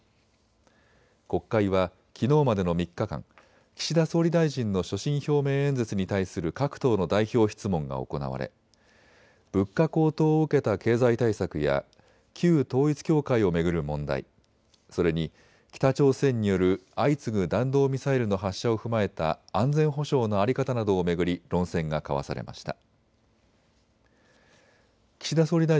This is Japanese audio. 国会はきのうまでの３日間、岸田総理大臣の所信表明演説に対する各党の代表質問が行われ物価高騰を受けた経済対策や旧統一教会を巡る問題、それに北朝鮮による相次ぐ弾道ミサイルの発射を踏まえた安全保障の在り方などを巡り論戦が交わされました。